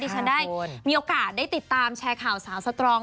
ฉันได้มีโอกาสได้ติดตามแชร์ข่าวสาวสตรอง